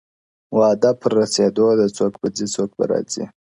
وعده پر رسېدو ده څوک به ځي څوک به راځي-